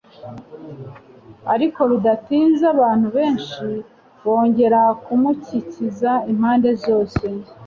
Ariko bidatinze abantu benshi bongera kumukikiza impande zose.